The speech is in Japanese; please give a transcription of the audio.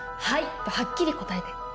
「はい」とはっきり答えて。